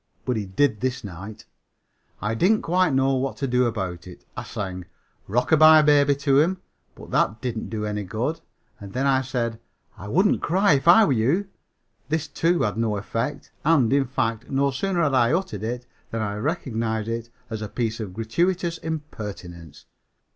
But he did this night. I didn't quite know what to do about it. I sang "Rockabye Baby" to him, but that didn't do any good, and then I said "I wouldn't cry if I were you." This, too, had no effect, and, in fact, no sooner had I uttered it than I recognized it as a piece of gratuitous impertinence.